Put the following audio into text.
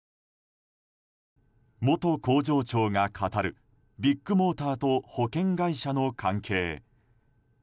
元工場長が語るビッグモーターと保険会社の関係。